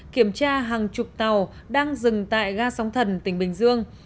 kiểm tra hàng chục tàu đang dừng tại ga sóng thần tỉnh bình dương